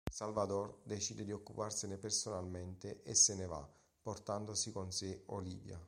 Salvador decide di occuparsene personalmente e se ne va, portandosi con sé Olivia.